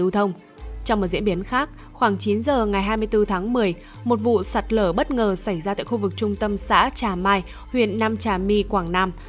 trong chín h ngày hai mươi bốn tháng một mươi một vụ sạt lở bất ngờ xảy ra tại khu vực trung tâm xã trà mai huyện nam trà my quảng nam